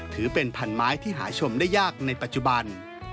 ถือเป็นพันไม้ที่หาชมได้ยากในปัจจุบัน